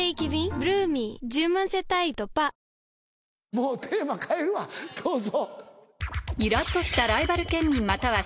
もうテーマ変えるわどうぞ。